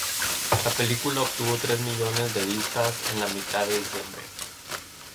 La película obtuvo tres millones de vistas en la mitad de diciembre.